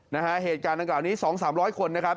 นะฮะเหตุการณ์ดังกล่าวนี้๒๓๐๐คนนะครับ